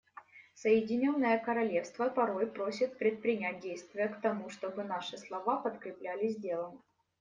Соединенное Королевство порой просят предпринять действия к тому, чтобы наши слова подкреплялись делом.